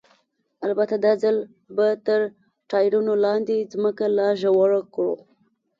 البته دا ځل به تر ټایرونو لاندې ځمکه لا ژوره کړو.